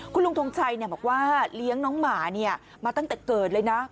คุณลุงทงชัยบอกว่าเลี้ยงน้องหมามาตั้งแต่เกิดเลยนะ